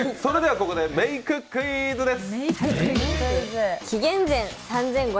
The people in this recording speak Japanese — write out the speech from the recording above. ここでメイククイズです。